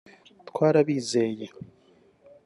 Twarabizeye